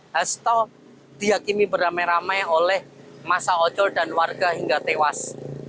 hasto dihakimi beramai ramai oleh masa ojol dan warga hingga tewas